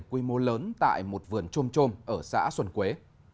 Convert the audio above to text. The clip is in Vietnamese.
quy mô lớn tại một vườn trôm trôm ở xã xuân quế